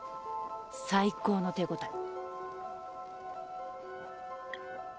最高の手応え。